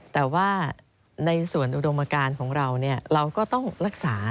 แต่ว่าในส่วนอุดมการของเราเราก็ต้องรักษา